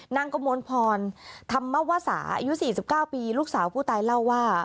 นางกระมวลพรธรรมวสาอายุ๔๙ปีลูกสาวผู้ตายเล่าว่า